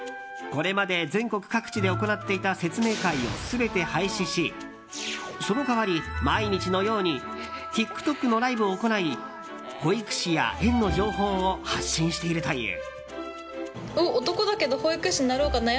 これまで全国各地で行っていた説明会を全て廃止しその代わり、毎日のようにＴｉｋＴｏｋのライブを行い保育士や園の情報を発信しているという。